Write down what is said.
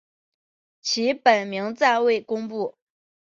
其本名暂未公布。